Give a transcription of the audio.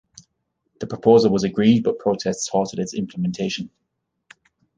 The proposal was agreed, but protests halted its implementation.